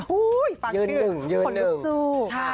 ฮู้ฟังคือขนลุกสู้